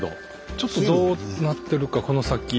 ちょっとどうなってるかこの先。